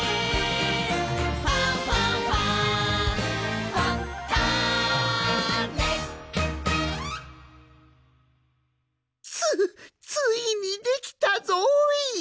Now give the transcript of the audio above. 「ファンファンファン」つついにできたぞい！